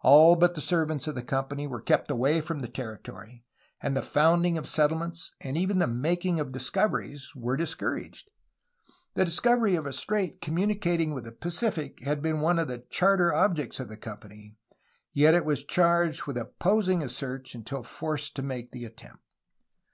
All but the servants of the company were kept away from the territory, and the founding of settlements and even the making of discoveries were discouraged. The discovery of a strait communicating with the Pacific had been one of the charter objects of the company; yet it was charged with opposing a search until forced to make the attempt.